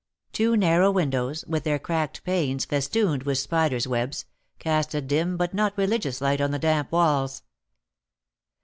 Two narrow windows, with their cracked panes festooned with spiders' webs, cast a dim but not religious light on the damp walls.